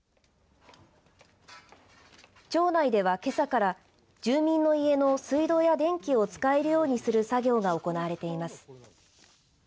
町内では、けさから住民の家の水道や電気を使えるようにする作業が行われています。